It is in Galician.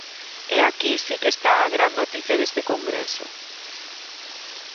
E aquí si que está a gran noticia deste congreso.